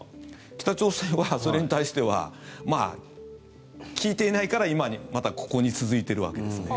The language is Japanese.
北朝鮮は、それに対してはまあ、効いていないから今、またここに続いているわけですね。